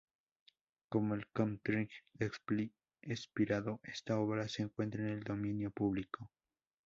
Como el copyright ha expirado, esta obra se encuentra en el dominio público.